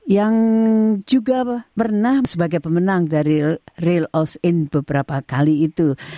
yang juga pernah sebagai pemenang dari real oceane beberapa kali itu